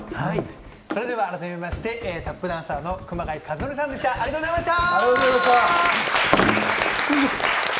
それでは改めまして、タップダンサーの熊谷和徳さんでした、ありがとうございました！